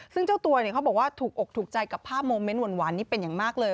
ซึ่งเจ้าตัวเขาบอกว่าถูกอกถูกใจกับภาพโมเมนต์หวานนี้เป็นอย่างมากเลย